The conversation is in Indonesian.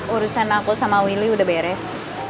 urusan aku sama willy udah beres